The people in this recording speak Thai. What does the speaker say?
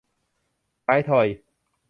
ท้ายทอย